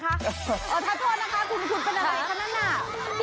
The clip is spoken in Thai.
ถ้าโทษนะคะคุณเป็นอะไรคะนั่นน่ะ